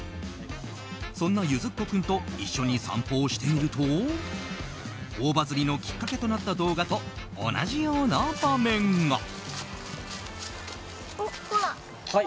そんなゆづっこ君と一緒に散歩をしてみると大バズりのきっかけとなった動画と同じような場面が。おっ！